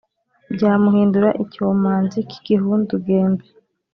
byamuhindura icyomanzi cy’igihindugembe.